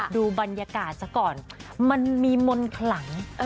ดูบรรยากาศซะก่อนมันมีมนต์ขลัง